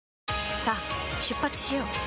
さあ出発しよう。